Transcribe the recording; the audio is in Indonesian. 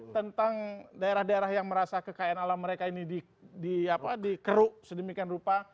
tentang daerah daerah yang merasa kekayaan alam mereka ini dikeruk sedemikian rupa